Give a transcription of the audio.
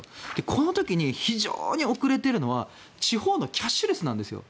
この時に非常に遅れているのは地方のキャッシュレスなんですよ。